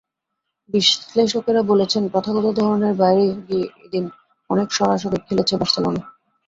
বিশ্লেষকেরা বলছেন, প্রথাগত ধরনের বাইরে গিয়ে এদিন অনেক সরাসরি খেলেছে বার্সেলোনা।